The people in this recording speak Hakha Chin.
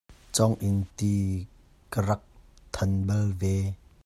Cong in ti ka rak than bal ve.